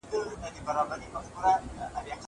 زه به سبزېجات جمع کړي وي!